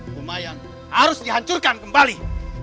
kumayan harus dihancurkan kembali